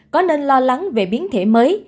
có nên lo lắng về biến thể mới